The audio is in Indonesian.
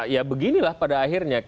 ya beginilah pada akhirnya